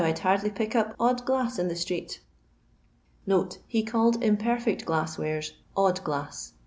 'd hardly pick up odd glass in the street." Had imperfect glass wares ''odd glass."